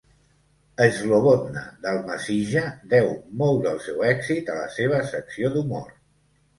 "Slobodna Dalmacija" deu molt del seu èxit a la seva secció d'humor.